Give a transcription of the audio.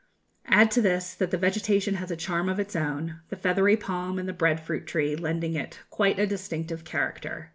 Add to this that the vegetation has a charm of its own the feathery palm and the bread fruit tree lending to it a quite distinctive character.